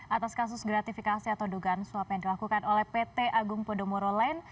atas kasus gratifikasi atau dugaan suap yang dilakukan oleh pt agung podomoro land